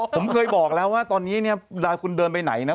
ผมเคยบอกแล้วว่าตอนนี้เนี่ยเวลาคุณเดินไปไหนนะ